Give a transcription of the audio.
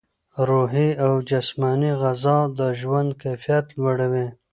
روحي او جسماني غذا د ژوند کیفیت لوړوي.